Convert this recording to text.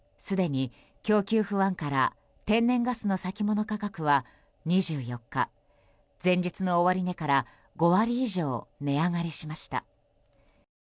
すでに供給不安から天然ガスの先物価格は２４日、前日の終値から５割以上、値上がりしました。